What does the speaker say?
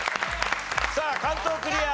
さあ関東クリア。